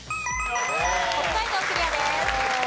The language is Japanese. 北海道クリアです。